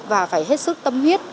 và phải hết sức tâm huyết